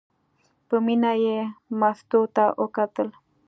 په مینه یې مستو ته وکتل.